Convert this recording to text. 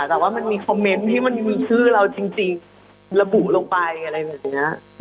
แต่ว่ามันมีคอมเมนต์ที่มันมีชื่อเราจริงระบุลงไปอะไรแบบนี้